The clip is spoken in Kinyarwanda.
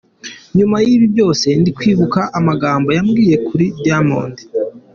Nyuma y’ibi byose ndi kwibuka amagambo yambwiye kuri Diamond.